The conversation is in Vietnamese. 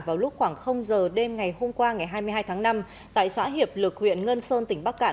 vào lúc khoảng giờ đêm ngày hôm qua ngày hai mươi hai tháng năm tại xã hiệp lực huyện ngân sơn tỉnh bắc cạn